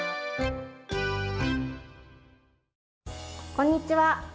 こんにちは。